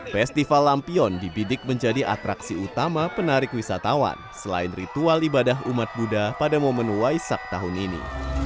festival lampion dibidik menjadi atraksi utama penarik wisatawan selain ritual ibadah umat buddha pada momen waisak tahun ini